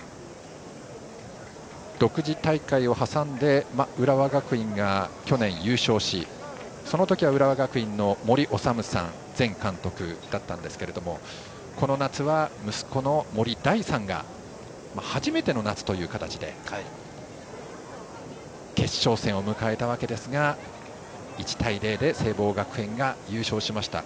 独自大会を挟んで浦和学院が去年、優勝しそのときは浦和学院の森士さん前監督だったんですがこの夏は息子の森大さんが初めての夏という形で決勝戦を迎えたわけですが１対０で聖望学園が優勝しました。